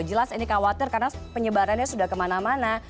jelas ini khawatir karena penyebarannya sudah kemana mana